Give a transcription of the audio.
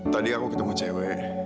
tadi aku ketemu cewek